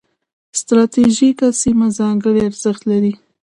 ستراتیژیکه سیمه ځانګړي ارزښت لري.